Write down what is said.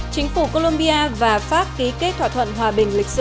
chính phủ colombia và pháp ký kết thỏa thuận hòa bình lịch sử